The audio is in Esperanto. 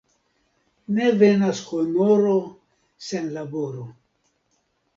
Ne venas honoro sen laboro.